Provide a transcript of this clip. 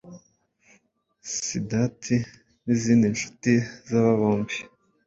Siddharth n’izindi nshuti z’aba bombi